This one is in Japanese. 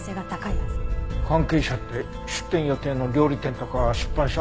関係者って出店予定の料理店とか出版社？